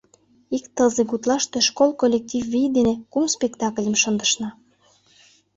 Ик тылзе гутлаште школ коллектив вий дене кум спектакльым шындышна.